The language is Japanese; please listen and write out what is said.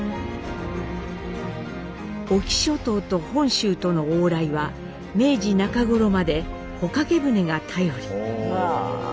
隠岐諸島と本州との往来は明治中頃まで帆掛け船が頼り。